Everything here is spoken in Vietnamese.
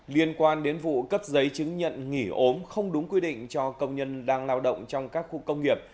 liên quan đến vụ cấp giấy chứng nhận nghỉ ốm không đúng quy định cho công nhân đang lao động trong các khu công nghiệp